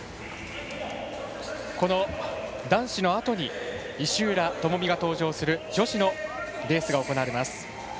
この男子のあとに石浦智美が登場する女子のレースが行われます。